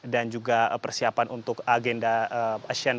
dan juga persiapan untuk agenda asian